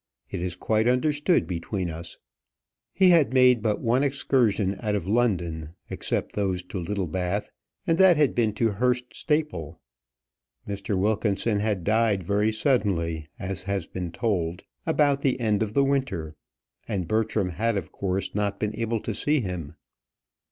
"It is quite understood between us." He had made but one excursion out of London, except those to Littlebath, and that had been to Hurst Staple. Mr. Wilkinson had died very suddenly, as has been told, about the end of the winter, and Bertram had of course not been able to see him.